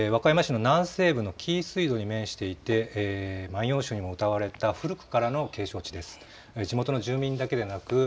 和歌山市の南西部の紀伊水道に面していて万葉集にも歌われた古くからの景勝地です。